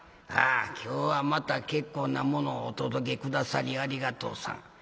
ああ今日はまた結構なものをお届け下さりありがとうさん。